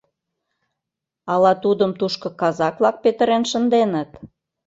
Ала тудым тушко казак-влак петырен шынденыт?